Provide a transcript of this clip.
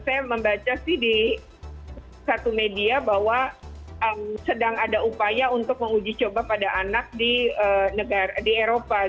saya membaca sih di satu media bahwa sedang ada upaya untuk menguji coba pada anak di eropa